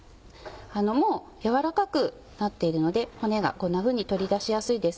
もう軟らかくなっているので骨がこんなふうに取り出しやすいです。